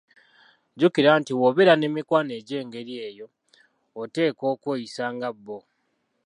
"Jjukira nti bw'obeera n'emikwano egyengeri eyo, oteekwa okweyisa nga bo."